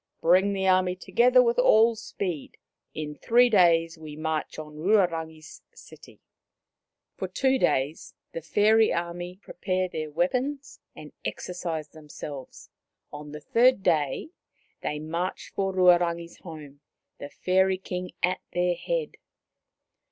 Bring the army together with all speed. In three days we march on Ruarangi' s city." For two days the fairy army prepared their weapons and exercised themselves ; on the third day they marched for Ruarangi* s home, the Fairy King at their head.